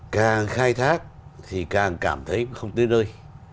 càng khai thác thì càng cảm thấy không tới nơi